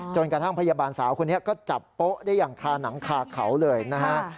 กระทั่งพยาบาลสาวคนนี้ก็จับโป๊ะได้อย่างคาหนังคาเขาเลยนะฮะ